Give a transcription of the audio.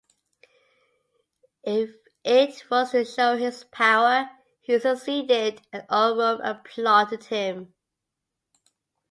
If it was to show his power, he succeeded, and all Rome applauded him.